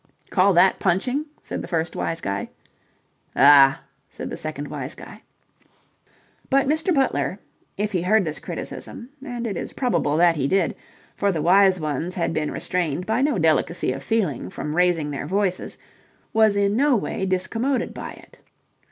"Call that punching?" said the first wise guy. "Ah!" said the second wise guy. But Mr. Butler, if he heard this criticism and it is probable that he did for the wise ones had been restrained by no delicacy of feeling from raising their voices, was in no way discommoded by it.